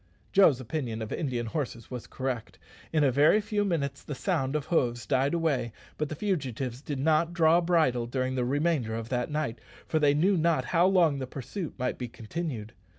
Joe's opinion of Indian horses was correct. In a very few minutes the sound of hoofs died away; but the fugitives did not draw bridle during the remainder of that night, for they knew not how long the pursuit might be continued.